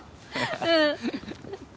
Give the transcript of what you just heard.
うん。